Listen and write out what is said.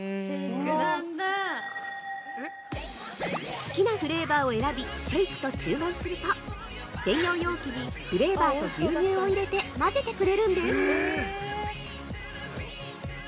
◆好きなフレーバーを選びシェイクと注文すると、専用容器にフレーバーと牛乳を入れて混ぜてくれるんです。